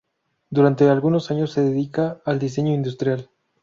Durante algunos años se dedica al diseño industrial.